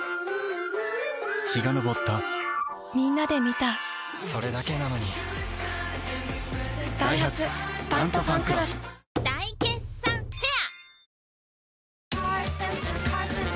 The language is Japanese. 陽が昇ったみんなで観たそれだけなのにダイハツ「タントファンクロス」大決算フェア